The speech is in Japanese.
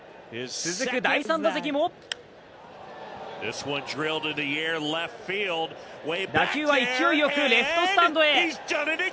続く第３打席も打球は勢いよくレフトスタンドへ。